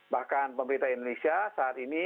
bahkan pemerintah indonesia saat ini